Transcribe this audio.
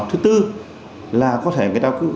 thứ tư là có thể người ta cứ